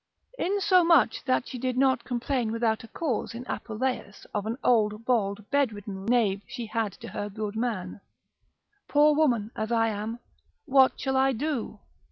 Insomuch that she did not complain without a cause in Apuleius, of an old bald bedridden knave she had to her good man: Poor woman as I am, what shall I do?